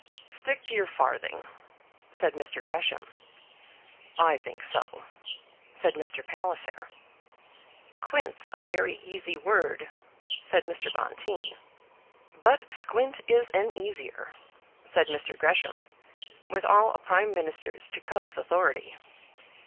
"Stick to your farthing," said Mr. Gresham. "I think so," said Mr. Palliser. "Quint's a very easy word," said Mr. Bonteen. "But squint is an easier," said Mr. Gresham, with all a prime minister's jocose authority.